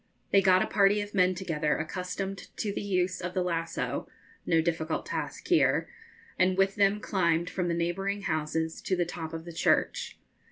They got a party of men together accustomed to the use of the lasso no difficult task here and with them climbed from the neighbouring houses to the top of the church.